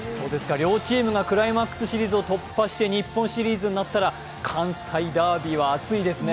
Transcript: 両チームがクライマックスシリーズを突破して日本シリーズになったら関西ダービーは熱いですね。